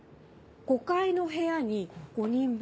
５階の部屋に５人分。